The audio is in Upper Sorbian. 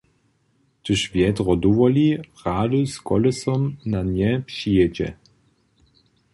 Hdyž wjedro dowoli, rady z kolesom na nje přijědźe.